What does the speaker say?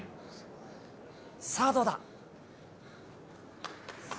さあ、どうだ。